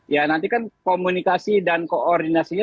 ya nanti kan komunikasi dan koordinasinya